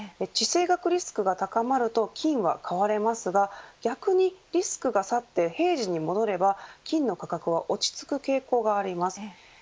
地政学リスクが高まると金は変われますが逆にリスクが去って平時に戻れば金の価格は落ち着く傾向があります。